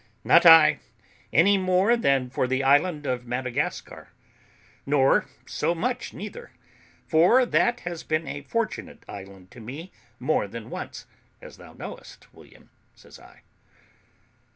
"Not I, any more than for the island of Madagascar, nor so much neither; for that has been a fortunate island to me more than once, as thou knowest, William," said I.